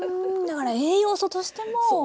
だから栄養素としてもほんとに。